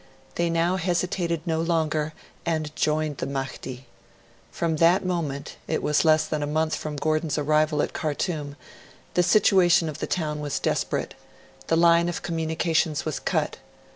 They now hesitated no longer, and joined the Mahdi. From that moment it was less than a month from Gordon's arrival at Khartoum the situation of the town was desperate. The line of communications was cut.